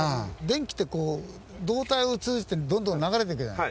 電気ってこう導体を通じてどんどん流れていくじゃない。